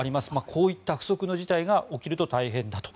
こういった不測の事態が起きると大変だと。